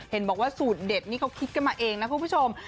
เห็นบอกว่าสูตรเด็ดนี่เขาคิดกันมาเองนะคุณผู้ชม